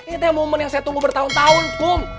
itu yang momen yang saya tunggu bertahun tahun kum